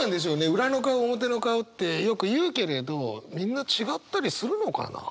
裏の顔表の顔ってよく言うけれどみんな違ったりするのかな？